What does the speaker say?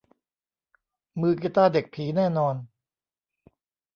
มือกีตาร์เด็กผีแน่นอน